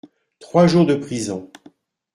Trois jours de prison.